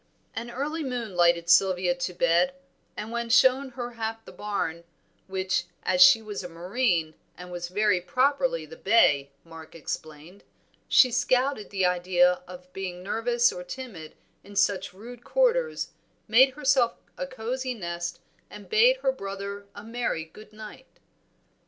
An early moon lighted Sylvia to bed, and when shown her half the barn, which, as she was a Marine, was very properly the bay, Mark explained, she scouted the idea of being nervous or timid in such rude quarters, made herself a cosy nest and bade her brother a merry good night.